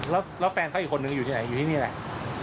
แล้วแฟนเขาอีกคนนึงอยู่ที่ไหนอยู่ที่นี่แหละ